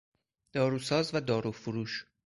داروساز و داروفروش